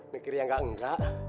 mikirnya gak enggak